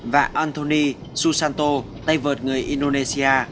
và anthony susanto tay vợt người indonesia